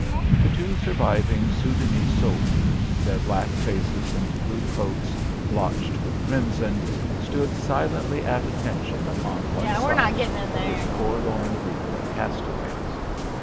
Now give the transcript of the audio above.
The two surviving Soudanese soldiers, their black faces and blue coats blotched with crimson, stood silently at attention upon one side of this forlorn group of castaways.